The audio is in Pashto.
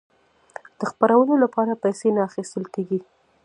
د خپرولو لپاره پیسې نه اخیستل کیږي.